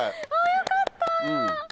よかった！